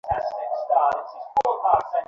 কে বলেছে আমি নায়না জয়সওয়ালের সাথে দেখা করবো না?